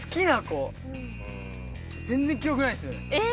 全然記憶にないです。え！